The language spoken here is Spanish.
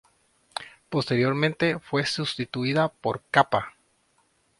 Posteriormente fue sustituida por kappa.